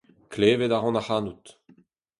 Klevet a ran ac'hanout.